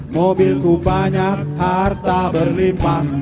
mobil ku banyak harta berlima